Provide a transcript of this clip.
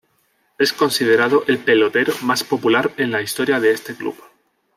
Es considerado el pelotero más popular en la historia de este club.